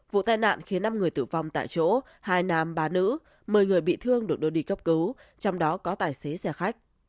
vụ tai nạn khiến năm người tử vong tại chỗ hai nam ba nữ một mươi người bị thương được đưa đi cấp cứu trong đó có tài xế xe khách